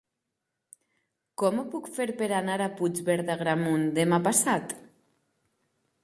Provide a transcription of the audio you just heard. Com ho puc fer per anar a Puigverd d'Agramunt demà passat?